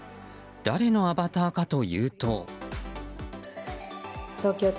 誰のアバターかというと。